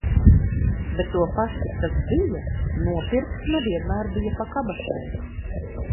Bet to pašu, kas bija, nopirkt ne vienmēr bija pa kabatai.